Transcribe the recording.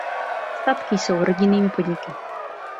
Statky jsou rodinnými podniky.